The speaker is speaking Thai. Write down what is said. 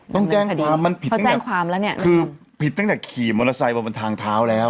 ต้องแจ้งความมันผิดตั้งแต่กี่มอเมอร์ไซค์บอกว่าทางท้าวแล้ว